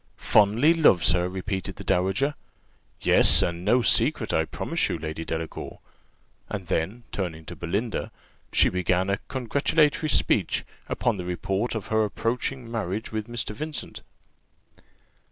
"Fondly loves her!" repeated the dowager: "yes; and no secret, I promise you, Lady Delacour:" and then, turning to Belinda, she began a congratulatory speech, upon the report of her approaching marriage with Mr. Vincent.